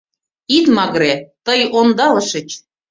Ит магыре, тый ондалышыч.